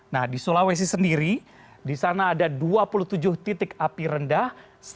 nah di sulawesi sendiri di sana ada dua puluh tujuh titik api rendah satu ratus tujuh puluh tujuh